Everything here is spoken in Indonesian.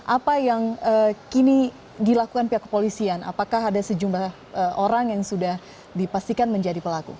apa yang kini dilakukan pihak kepolisian apakah ada sejumlah orang yang sudah dipastikan menjadi pelaku